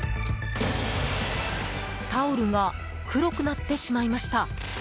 タオルが黒くなってしまいました。